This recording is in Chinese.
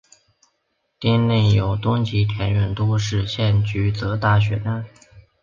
町内有东急田园都市线驹泽大学站。